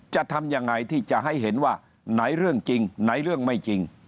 จะทำยังไงที่จะให้เห็นว่าไหนเรื่องจริงไหนเรื่องไม่จริง